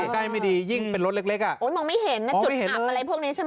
ใกล้ไม่ดียิ่งเป็นรถเล็กอ่ะโอ้ยมองไม่เห็นนะจุดอับอะไรพวกนี้ใช่ไหม